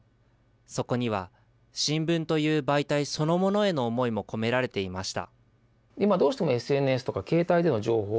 そこには新聞という媒体そのものへの思いも込められていました。